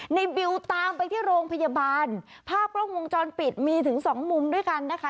บิวตามไปที่โรงพยาบาลภาพกล้องวงจรปิดมีถึงสองมุมด้วยกันนะคะ